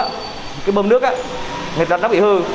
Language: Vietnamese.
cái bơm nước á người ta nó bị hư